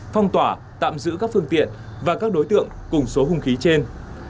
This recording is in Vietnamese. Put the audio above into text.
phong tỏa tạm giữ các phương tiện và các đối tượng cùng số hung khí trên